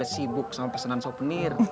sibuk sama pesanan souvenir